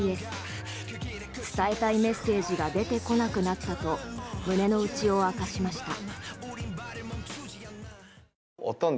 伝えたいメッセージが出てこなくなったと胸の内を明かしました。